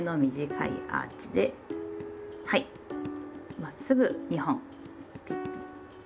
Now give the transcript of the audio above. まっすぐ２本。